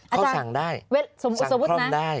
เขาสั่งได้สั่งคร่องได้